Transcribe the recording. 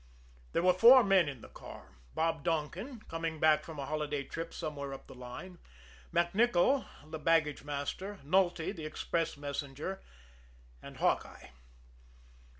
There were four men in the car: Bob Donkin, coming back from a holiday trip somewhere up the line; MacNicoll, the baggage master; Nulty, the express messenger and Hawkeye.